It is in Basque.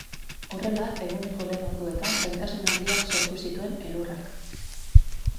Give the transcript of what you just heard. Horrela, eguneko lehen orduetan zailtasun handiak sortu zituen elurrak.